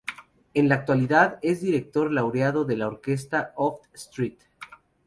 En la actualidad es director laureado de la Orchestra of St.